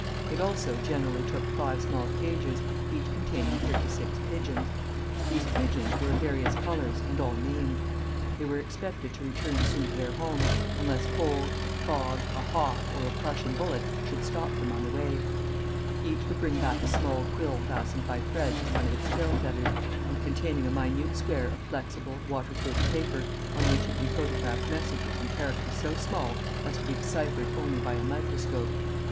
It also generally took five small cages, each containing thirty six pigeons. These pigeons were of various colors, and all named. They were expected to return soon to their homes, unless cold, fog, a hawk, or a Prnssian bullet should stop them on the way. Each would bring back a small quill fastened by threads to one of its tail feathers and containing a minute square of flexible, waterproof paper, on which had been photographed messages in characters so small as to be deciphered only by a microscope.